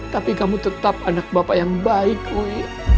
tapi kamu tetap anak bapak yang baik wi